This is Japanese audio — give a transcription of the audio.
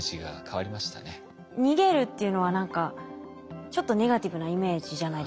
逃げるっていうのは何かちょっとネガティブなイメージじゃないですか。